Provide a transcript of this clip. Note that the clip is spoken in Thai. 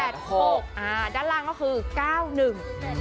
ด้านล่างก็คือ๙๑